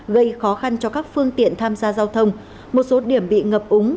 gây khó khăn cho các phương tiện tham gia giao thông một số điểm bị ngập úng